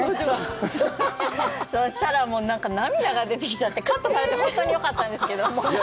そしたら、なんか涙が出てきちゃって、カットされて、本当によかったんですけど。